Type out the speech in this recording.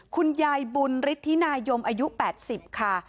คุณยายบุญฤทธินายมอายุ๘๐ค่ะ